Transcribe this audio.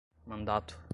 mandato